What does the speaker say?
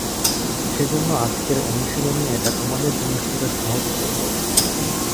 সেজন্য আজকের অনুশীলনে, এটা তোমাদের জন্য কিছুটা সহজ করবো।